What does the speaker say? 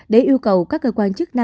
để yêu cầu các cơ quan chức